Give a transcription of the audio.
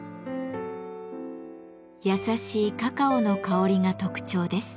優しいカカオの香りが特徴です。